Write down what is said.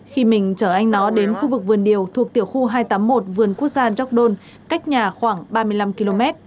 khi mình chở anh nó đến khu vực vườn điều thuộc tiểu khu hai trăm tám mươi một vườn quốc gia gióc đôn cách nhà khoảng ba mươi năm km